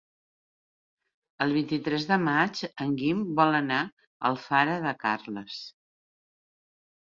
El vint-i-tres de maig en Guim vol anar a Alfara de Carles.